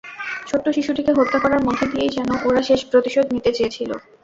ছোট্ট শিশুটিকে হত্যা করার মধ্য দিয়েই যেন ওরা শেষ প্রতিশোধ নিতে চেয়েছিল।